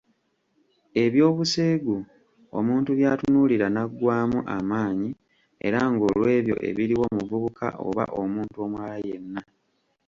Eby'obuseegu omuntu by'atunuulira naggwaamu amaanyi era ng'olwebyo ebiriwo omuvubuka oba omuntu omulala yenna